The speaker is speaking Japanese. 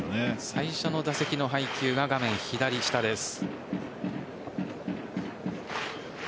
最初の打席の配球が画面左下です。